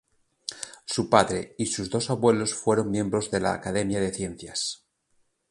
Su padre y sus dos abuelos fueron miembros de la Academia de Ciencias.